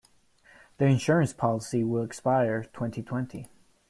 The insurance policy will expire in twenty-twenty.